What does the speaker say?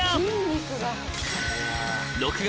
［６月。